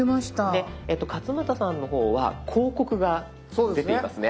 勝俣さんの方は広告が出ていますね。